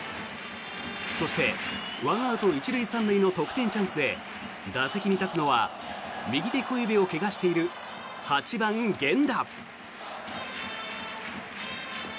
そして、１アウト１塁３塁の得点チャンスで打席に立つのは右手小指を怪我している８番、源田。